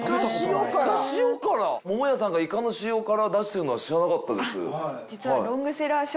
桃屋さんがいかの塩辛出してるのは知らなかったです。